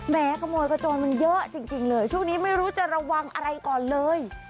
ขโมยกระโจนมันเยอะจริงเลยช่วงนี้ไม่รู้จะระวังอะไรก่อนเลย